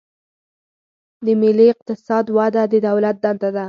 د ملي اقتصاد وده د دولت دنده ده.